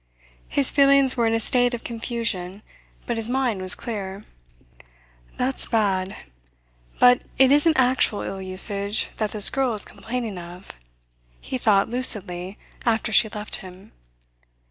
His feelings were in a state of confusion, but his mind was clear. "That's bad. But it isn't actual ill usage that this girl is complaining of," he thought lucidly after she left him.